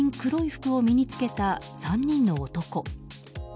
服を身に着けた３人の男。